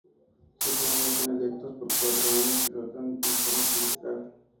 Sus miembros son electos por cuatro años y rotan en forma semestral.